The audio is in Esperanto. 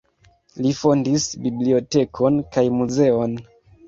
Li fondis bibliotekon kaj muzeon.